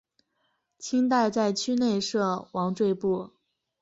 清代在区内设王赘步。